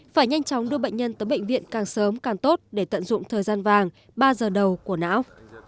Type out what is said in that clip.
phải nhanh chóng đưa bệnh nhân tới bệnh viện càng sớm càng tốt để tận dụng thời gian vàng ba giờ đầu của não